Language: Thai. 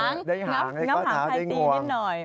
งับหางไทยตีนิดหน่อย